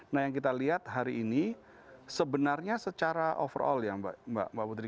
nah yang kita lihat hari ini sebenarnya secara overall ya mbak putri